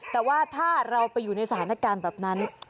แต่ว่าถ้าเราไปอยู่ในสถานการณ์แบบนั้น